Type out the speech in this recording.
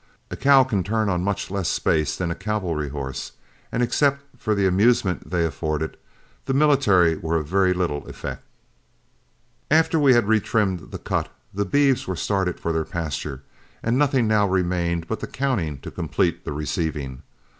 A cow can turn on much less space than a cavalry horse, and except for the amusement they afforded, the military were of very little effect. After we had retrimmed the cut, the beeves were started for their pasture, and nothing now remained but the counting to complete the receiving.